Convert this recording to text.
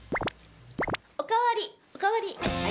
お代わり、お代わり。